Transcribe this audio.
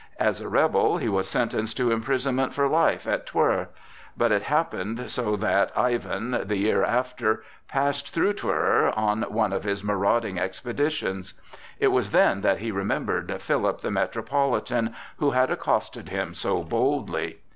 As a rebel, he was sentenced to imprisonment for life at Twer. But it happened so that Ivan, the year after, passed through Twer on one of his marauding expeditions. It was then that he remembered Philip, the Metropolitan, who had accosted him so boldly.